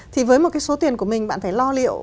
thì với một cái số tiền của mình bạn phải lo liệu